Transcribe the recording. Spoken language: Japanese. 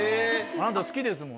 あなた好きですもんね。